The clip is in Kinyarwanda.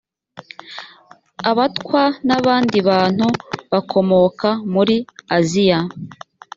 abatwa nabandi bantu bakomoka muri aziya.